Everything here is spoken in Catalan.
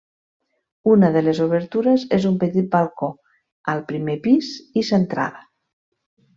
Una de les obertures és un petit balcó, al primer pis i centrada.